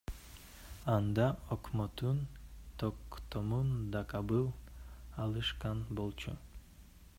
Анда өкмөттүн токтомун да кабыл алышкан болчу.